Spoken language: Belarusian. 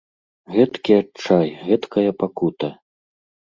Гэткі адчай, гэткая пакута!